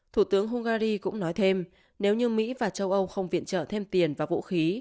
thủ tướng hungary cũng nói thêm nếu như mỹ và châu âu không viện trợ thêm tiền và vũ khí